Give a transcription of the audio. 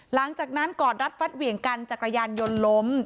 หลังจากนั้นกอดรัดฟัดเหวี่ยงกันจักรยานยนต์ล้ม